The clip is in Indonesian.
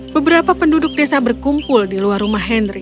beberapa penduduk desa berkumpul di luar rumah henry